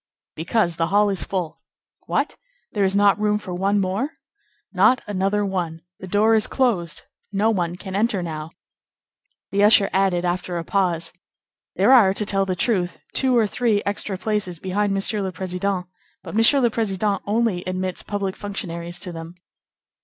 "Because the hall is full." "What! There is not room for one more?" "Not another one. The door is closed. No one can enter now." The usher added after a pause: "There are, to tell the truth, two or three extra places behind Monsieur le Président, but Monsieur le Président only admits public functionaries to them."